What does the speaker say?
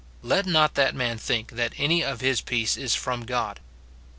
Let not that man think that any of his peace is from God.